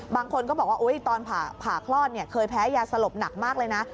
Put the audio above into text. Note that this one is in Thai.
บางคนก็บอกว่าตอนผ่าคลอดเคยแพ้ยาสลบหนักมากเลยนะ